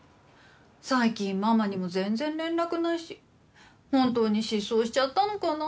最近ママにも全然連絡ないし本当に失踪しちゃったのかな？